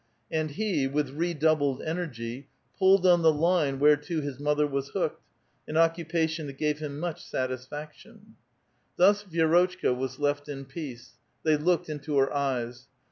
'* And he, with redoubled energy, pulled on the line whereto his mother was hooked, — an occupation that gave him much satisfac tion. Thus Vi^rotchka was left in peace ; they looked into her eves.